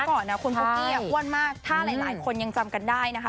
ก่อนนะคุณปุ๊กกี้อ้วนมากถ้าหลายคนยังจำกันได้นะคะ